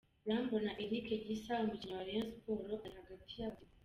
Irambona Eric Gisa umukinnyi wa Rayon Sports ari hagati y'abageni.